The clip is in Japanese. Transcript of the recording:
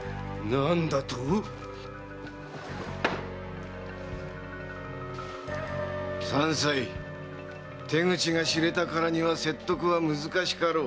何だと⁉三斎手口が知れたからには説得は難しかろう。